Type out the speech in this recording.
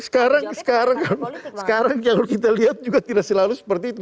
sekarang kan sekarang yang kita lihat juga tidak selalu seperti itu